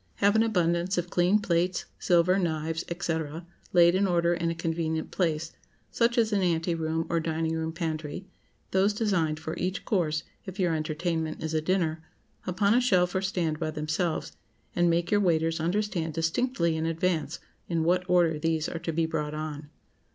Have an abundance of clean plates, silver, knives, &c., laid in order in a convenient place,—such as an ante room, or dining room pantry,—those designed for each course, if your entertainment is a dinner, upon a shelf or stand by themselves, and make your waiters understand distinctly in advance in what order these are to be brought on.